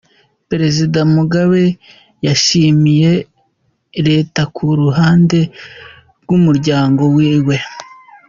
Perezida Mugabe yashimiye leta ku ruhande rw'umuryango wiwe.